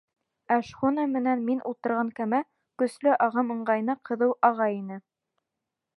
Ә шхуна менән мин ултырған кәмә көслө ағым ыңғайына ҡыҙыу аға ине.